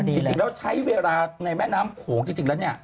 จริงแล้วใช้เวลาในแม่น้ำโขงจริงแล้วเนี่ย